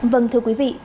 vâng thưa quý vị